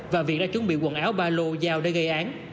và việt đã chuẩn bị quần áo ba lô giao để gây án